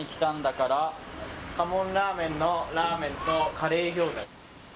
「かもんラーメンのラーメンとカレー餃子」